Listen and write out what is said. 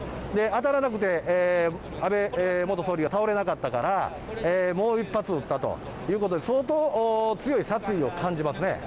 当たらなくて、安倍元総理が倒れなかったから、もう１発撃ったということで、相当、強い殺意を感じますね。